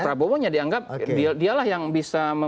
prabowo nya dianggap dialah yang bisa